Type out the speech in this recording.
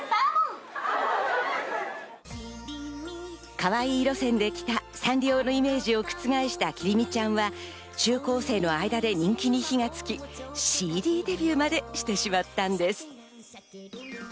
カワイイ路線で来たサンリオのイメージを覆したＫＩＲＩＭＩちゃん．は中高生の間で人気に火がつき、ＣＤデビューまでしてしまったんです。